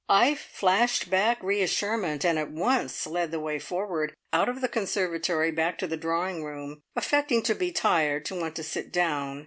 I flashed back reassurement, and at once led the way forward out of the conservatory, back to the drawing room, affecting to be tired, to want to sit down.